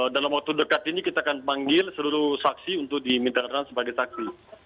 dalam waktu dekat ini kita akan panggil seluruh saksi untuk diminta keterangan sebagai saksi